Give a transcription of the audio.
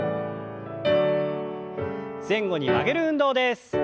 前後に曲げる運動です。